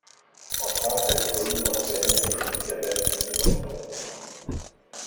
En France, elle est commune en plaine et jusqu'à d'altitude environ.